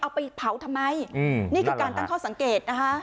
เอาไปเผาทำไมนี่คือการตั้งข้อสังเกตนะคะ